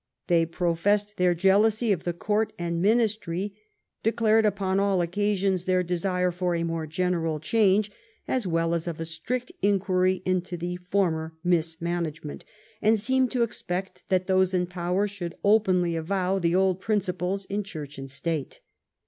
They professed their jealousy of the court and ministry: declared, upon all occasions, their desire of a more general change, as well as of a strict enquiry into former mismanage ment: and seemed to expect, that those in power should openly avow the old principles in church and state.